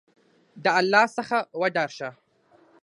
د الله څخه وډار شه !